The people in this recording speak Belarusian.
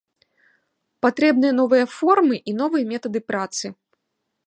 Патрэбныя новыя формы і новыя метады працы.